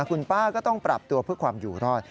คุณป้าก็ต้องปรับตัวเพื่อความอยู่รอด